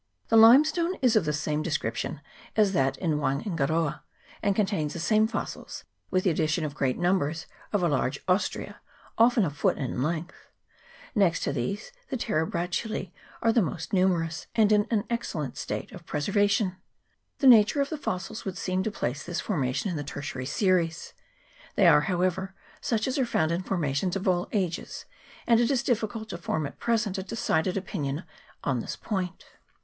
The lime stone is of the same description as that in Wain garoa, and contains the same fossils, with the addition of great numbers of a large Ostrea, often a foot in length ; next to these the Terebratulae are the most numerous, and in an excellent state of preservation. The nature of the fossils would seem to place this formation in the tertiary series ; they are, however, such as are found in formations of all ages, and it is difficult to form at present ^decided opinion on this point.